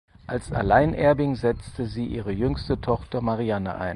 Als Alleinerbin setzte sie ihre jüngste Tochter Marianne ein.